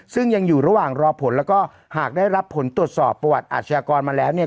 ซึ่งยังอยู่ระหว่างรอผลแล้วก็หากได้รับผลตรวจสอบประวัติอาชญากรมาแล้วเนี่ย